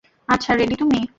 আচ্ছা, রেডি তুমি?